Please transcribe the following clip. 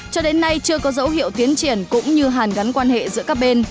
cho đến nay chưa có dấu hiệu tiến triển cũng như hàn gắn quan hệ giữa các bên